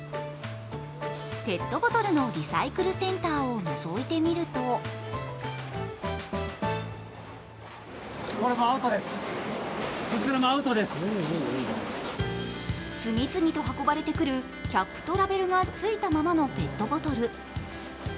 ペットボトルのリサイクルセンターをのぞいてみると次々と運ばれてくるキャップとラベルがついたままのペットボトル。